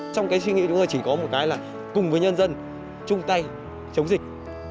trong cái suy nghĩ chúng tôi chỉ có một cái là cùng với nhân dân chung tay chống dịch